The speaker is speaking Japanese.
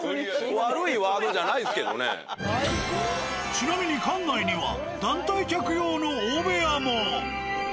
ちなみに館内には団体客用の大部屋も。